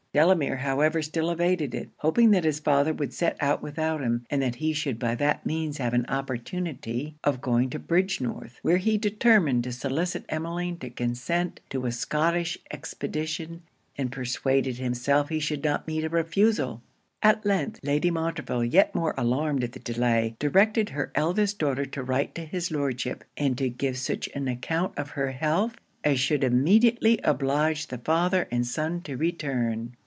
Delamere however still evaded it; hoping that his father would set out without him, and that he should by that means have an opportunity of going to Bridgenorth, where he determined to solicit Emmeline to consent to a Scottish expedition, and persuaded himself he should not meet a refusal. At length Lady Montreville, yet more alarmed at the delay, directed her eldest daughter to write to his Lordship, and to give such an account of her health as should immediately oblige the father and son to return.